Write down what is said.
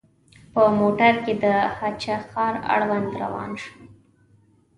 په موټر کې د هه چه ښار اړوند روان شوو.